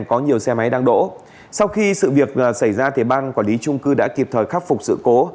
có nhiều xe máy đang đổ sau khi sự việc xảy ra ban quản lý trung cư đã kịp thời khắc phục sự cố